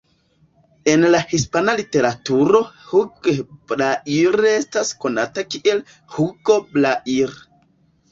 En la hispana literaturo Hugh Blair estas konata kiel Hugo Blair.